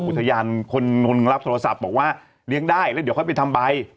อุทยานคนรับโทรศัพท์บอกว่าเลี้ยงได้แล้วเดี๋ยวค่อยไปทำใบ